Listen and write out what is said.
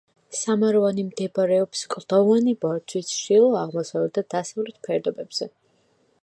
სამაროვანი მდებარეობს კლდოვანი ბორცვის ჩრდილო-აღმოსავლეთ და დასავლეთ ფერდობებზე.